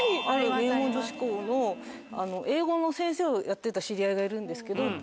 ある名門女子校の英語の先生をやってた知り合いがいるんですけど。